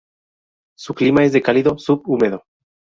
Su clima es cálido subhúmedo.